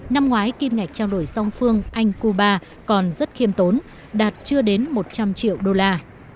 năm ngoái kim ngạch trao đổi song phương anh cuba còn rất khiêm tốn đạt chưa đến một trăm linh triệu đô la